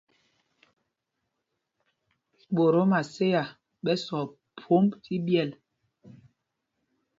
Ɓot o Maséa ɓɛ sɔɔ phwómb tí ɓyɛ́l.